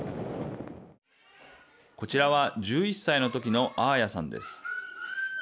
こちらは１１歳のときのアーヤさんです。